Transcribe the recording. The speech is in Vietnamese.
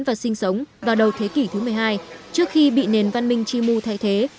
và sinh sống vào đầu thế kỷ thứ một mươi hai trước khi bị nền văn minh chimu thay thế